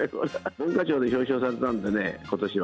文化庁に表彰されたんでね、ことしは。